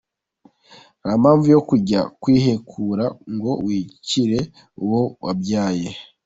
Nta mpamvu yo kujya kwihekura ngo wiyicire uwo wabyaye.